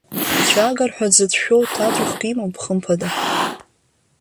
Ицәаагар ҳәа дзыцәшәо ҭаҵәахк имоуп, хымԥада.